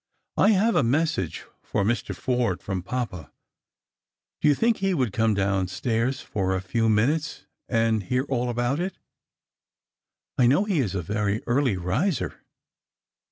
I have a message fo> Ms. Forde from papa. Do you think lie would come downstair s for a few minutes and hear all about it P I know he is a very eurly riser."